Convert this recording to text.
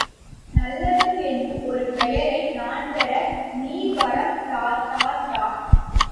நல்லவன் என்னும் ஒருபெயரை நான்பெற நீ வரம் தா தா தா.